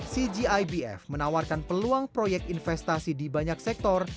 cgibf menawarkan peluang proyek investasi di banyak sektor